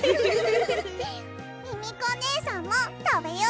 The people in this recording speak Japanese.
ミミコねえさんもたべよ。